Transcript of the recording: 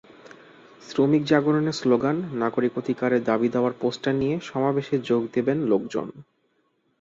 শ্রমিক জাগরণের স্লোগান, নাগরিক অধিকারে দাবি-দাওয়ার পোস্টার নিয়ে সমাবেশে যোগ দেবেন লোকজন।